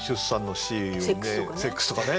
セックスとかね。